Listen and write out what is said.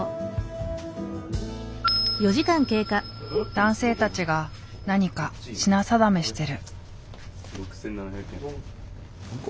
男性たちが何か品定めしてる。